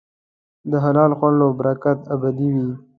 د حلال خوړو برکت ابدي وي.